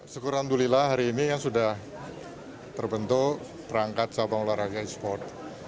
sekurang kurangnya hari ini yang sudah terbentuk perangkat sabang olahraga esports